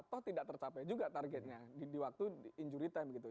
toh tidak tercapai juga targetnya di waktu injury time gitu